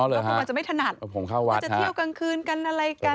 อ๋อเหรอฮะผมเข้าวัดฮะแล้วจะเที่ยวกลางคืนกันอะไรกัน